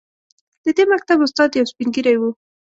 د دې مکتب استاد یو سپین ږیری و.